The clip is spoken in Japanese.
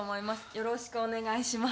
よろしくお願いします。